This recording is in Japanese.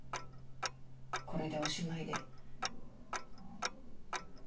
これでおしまいで。